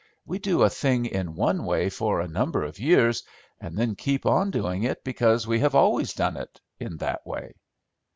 We do a thing in one way for a number of years, and then keep on doing it because we have always done it in that way."